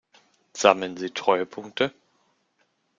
Sammeln Sie Treuepunkte?